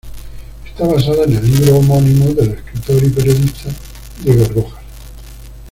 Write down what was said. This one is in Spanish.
Está basada en el libro homónimo del escritor y periodista Diego Rojas.